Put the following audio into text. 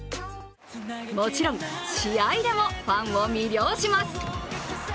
もちろん、試合でもファンを魅了します。